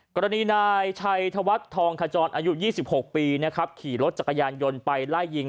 กรณีนายชัยธวัฒน์ทองขจรอายุ๒๖ปีนะครับขี่รถจักรยานยนต์ไปไล่ยิง